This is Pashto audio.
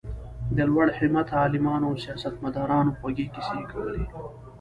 د لوړ همته عالمانو او سیاست مدارانو خوږې کیسې یې کولې.